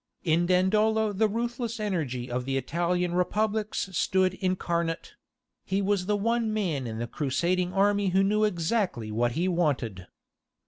In Dandolo the ruthless energy of the Italian Republics stood incarnate; he was the one man in the crusading army who knew exactly what he wanted.